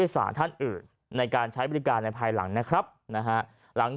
สารท่านอื่นในการใช้บริการในภายหลังนะครับนะฮะหลัง